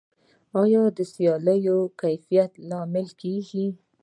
آیا سیالي د کیفیت لامل کیږي؟